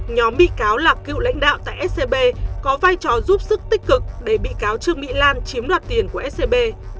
nhóm bị cáo là cựu lãnh đạo tại scb có vai trò giúp sức tích cực để bị cáo trương mỹ lan chiếm đoạt tiền của scb